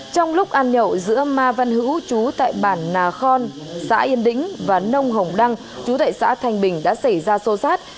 trong lúc ăn nhậu giữa ma văn hữu chú tại bản nà khon xã yên đĩnh và nông hồng đăng chú tại xã thanh bình đã xảy ra xô xát